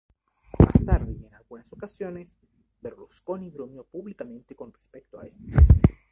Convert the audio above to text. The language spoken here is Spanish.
Más tarde y en varias ocasiones, Berlusconi bromeó públicamente con respecto a este tema.